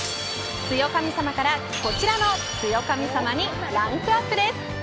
強神様からこちらの剛神様にランクアップです。